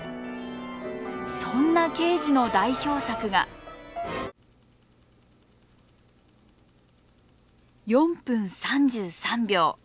そんなケージの代表作が「４分３３秒」。